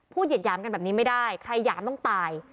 เหยียดหยามกันแบบนี้ไม่ได้ใครหยามต้องตาย